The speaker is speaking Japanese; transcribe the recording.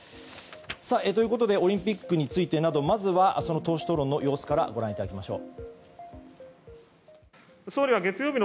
ということでオリンピックについてなどまずは党首討論の様子からご覧いただきましょう。